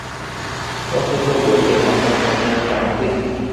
莫斯科国际航空航天展览会。